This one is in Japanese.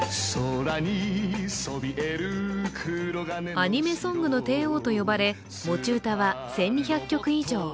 アニメソングの帝王と呼ばれ持ち歌は１２００曲以上。